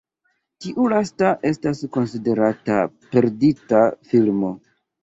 Tiu lasta estas konsiderata perdita filmo.